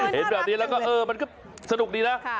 เห็นแบบนี้แล้วก็เออมันก็สนุกดีนะ